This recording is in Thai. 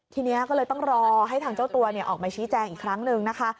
ทีนี้ก็เลยต้องรอให้ทางเจ้าตัวออกมาชี้แจงอีกครั้งหนึ่งนะคะ